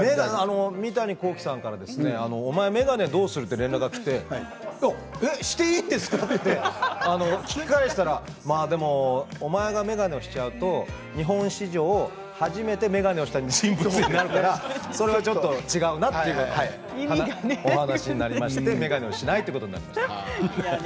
三谷幸喜さんからお前、眼鏡はどうする？と連絡がきてしていいんですか？と聞き返したらお前が眼鏡をしちゃうと日本史上初めて眼鏡をした人物になるからそれはちょっと違うなというお話になりまして眼鏡をしないということになりました。